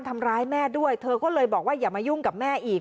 ทำร้ายแม่ด้วยเธอก็เลยบอกว่าอย่ามายุ่งกับแม่อีก